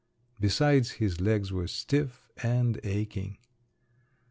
Besides, his legs were stiff and aching.